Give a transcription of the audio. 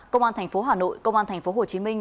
công an thành phố hà nội công an thành phố hồ chí minh